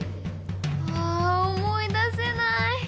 あ思い出せない！